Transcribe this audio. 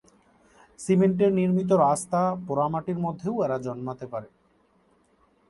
সিমেন্টের নির্মিত রাস্তা, পোড়ামাটির মধ্যেও এরা জন্মাতে পারে।